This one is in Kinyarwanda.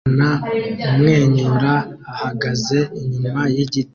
Umwana umwenyura ahagaze inyuma yigiti